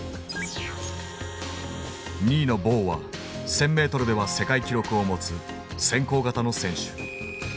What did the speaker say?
２位のボウは１，０００ｍでは世界記録を持つ先行型の選手。